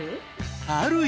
あるよ。